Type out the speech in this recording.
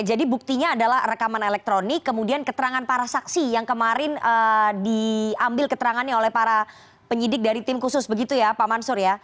jadi buktinya adalah rekaman elektronik kemudian keterangan para saksi yang kemarin diambil keterangannya oleh para penyidik dari tim khusus begitu ya pak mansur ya